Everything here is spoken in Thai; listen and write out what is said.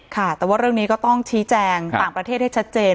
ค่ะแต่ว่าเรื่องนี้ก็ต้องชี้แจงต่างประเทศให้ชัดเจน